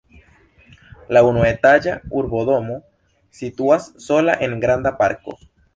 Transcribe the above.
La unuetaĝa urbodomo situas sola en granda parko.